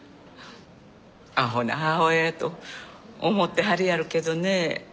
アホな母親やと思ってはるやろけどねえ